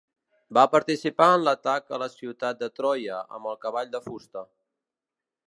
Va participar en l'atac a la ciutat de Troia amb el cavall de fusta.